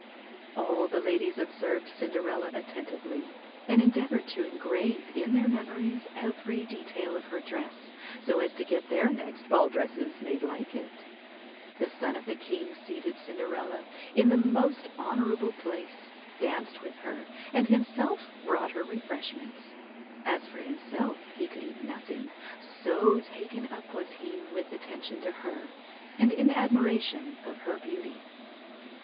All the ladies observed Cinderella attentively, and endeavoured to engrave in their memories every detail of her dress, so as to get their next ball dresses made like it. The son of the king seated Cinderella in the most honourable place, danced with her, and himself brought her refreshments. As for himself, he could eat nothing, so taken up was he with attention to her, and in admiration of her beauty.